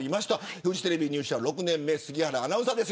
フジテレビ入社６年目杉原アナウンサーです。